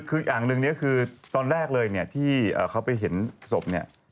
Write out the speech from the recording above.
คืออย่างหนึ่งนี่คือตอนแรกเลยที่เขาไปเห็นศพ